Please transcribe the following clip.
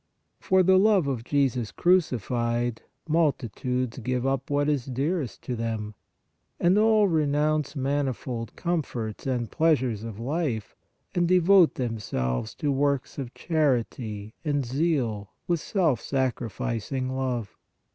For the love of Jesus crucified multi tudes give up what is dearest to them; and all re nounce manifold comforts and pleasures of life, and devote themselves to works of charity and zeal with self sacrificing love.